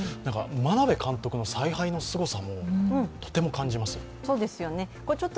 眞鍋監督の采配のすごさもとても感じます。